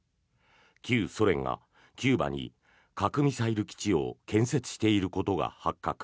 旧ソ連がキューバに核ミサイル基地を建設していることが発覚。